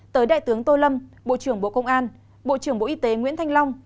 tới đại tướng tô lâm bộ trưởng bộ công an bộ trưởng bộ y tế nguyễn thanh long